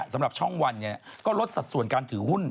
สำหรับช่องวันก็ลดสัดส่วนการถือหุ้น